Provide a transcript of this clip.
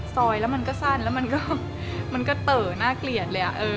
ซอยแล้วมันก็สั้นแล้วมันก็เต๋อน่าเกลียดเลย